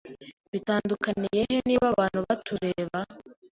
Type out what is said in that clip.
Bitandukaniye he niba abantu batureba?